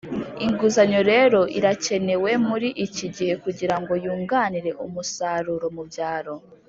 inguzanyo rero irakenewe muri iki gihe kugirango yunganire umusaruro mu byaro.